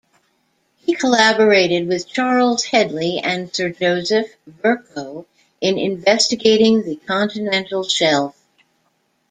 He collaborated with Charles Hedley and Sir Joseph Verco in investigating the continental shelf.